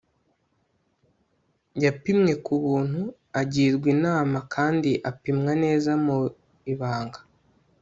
yapimwe ku buntu, agirwa inama kandi apimwa neza mu ibanga